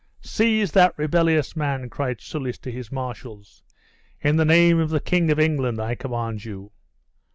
"Seize that rebellious man," cried Soulis to his marshals. "In the name of the King of England I command you."